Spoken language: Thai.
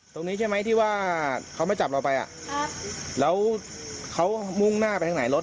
ตรงนี้ใช่ไหมที่ว่าเขามาจับเราไปอ่ะแล้วเขามุ่งหน้าไปทางไหนรถ